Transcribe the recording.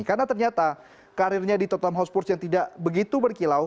karena ternyata karirnya di tottenham hotspur yang tidak begitu berkilau